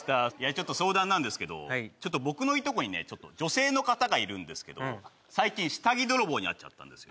ちょっと相談なんですけど僕のいとこにね女性の方がいるんですけど最近下着泥棒に遭っちゃったんですよ